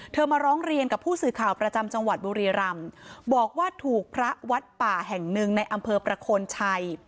มาร้องเรียนกับผู้สื่อข่าวประจำจังหวัดบุรีรำบอกว่าถูกพระวัดป่าแห่งหนึ่งในอำเภอประโคนชัย